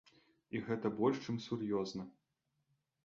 І гэта больш чым сур'ёзна.